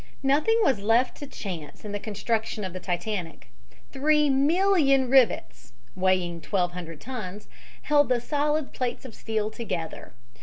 Nothing was left to chance in the construction of the Titanic. Three million rivets (weighing 1200 tons) held the solid plates of steel together.